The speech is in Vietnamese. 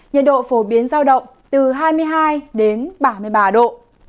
nhiệt độ phổ biến giao động từ hai mươi hai đến ba mươi ba độ